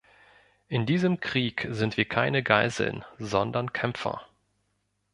In diesem Krieg sind wir keine Geiseln, sondern Kämpfer.